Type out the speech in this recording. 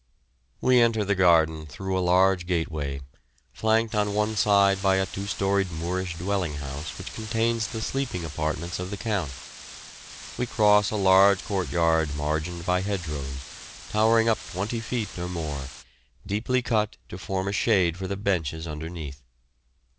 We enter the garden through a large gateway, flanked on one side by a two storied Moorish dwelling house which contains the sleeping apartments of the Count. We cross a large court yard margined by hedgerows, towering up twenty feet or more, deeply cut to form a shade for the benches underneath.